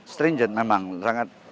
stringent memang sangat